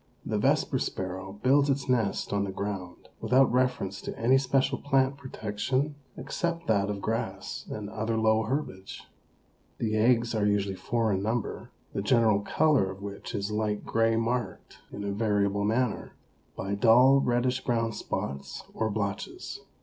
The Vesper Sparrow builds its nest on the ground without reference to any special plant protection except that of grass and other low herbage. The eggs are usually four in number, the general color of which is light gray marked, in a variable manner, by dull reddish brown spots or blotches.